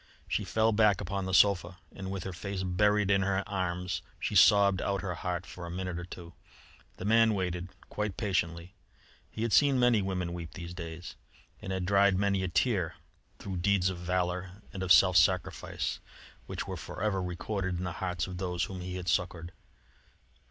She fell back upon the sofa and with her face buried in her arms she sobbed out her heart for a minute or two. The man waited quite patiently. He had seen many women weep these days, and had dried many a tear through deeds of valour and of self sacrifice, which were for ever recorded in the hearts of those whom he had succoured.